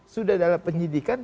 sudah dalam penyidikan